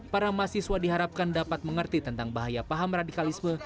para mahasiswa diharapkan dapat mengerti tentang bahaya paham radikalisme